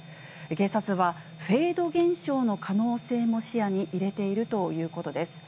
警察はフェード現象の可能性も視野に入れているということです。